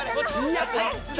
あといくつだ？